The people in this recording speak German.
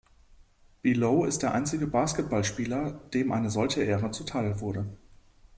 Below ist der einzige Basketballspieler, dem eine solche Ehre zuteilwurde.